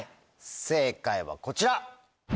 正解はこちら。